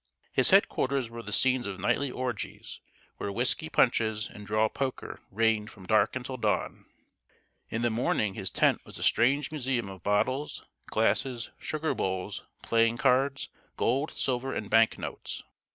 His head quarters were the scenes of nightly orgies, where whisky punches and draw poker reigned from dark until dawn. In the morning his tent was a strange museum of bottles, glasses, sugar bowls, playing cards, gold, silver, and bank notes.